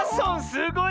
すごい。